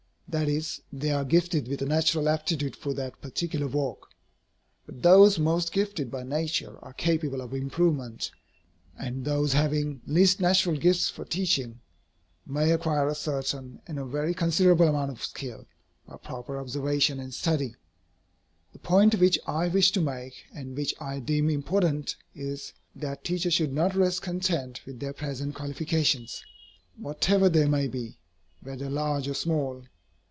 That is, they are gifted with a natural aptitude for that particular work. But those most gifted by nature, are capable of improvement, and those having least natural gifts for teaching, may acquire a certain and a very considerable amount of skill, by proper observation and study. The point which I wish to make, and which I deem important, is, that teachers should not rest content with their present qualifications, whatever they may be, whether large or small.